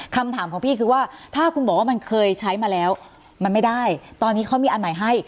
คำถามของพี่คือว่าถ้าคุณบอกว่ามันเคยใช้มาแล้วมันไม่ได้ตอนนี้เขามีอันใหม่ให้